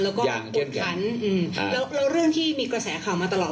แล้วก็อย่างเต้นขันอืมแล้วแล้วเรื่องที่มีกระแสข่าวมาตลอด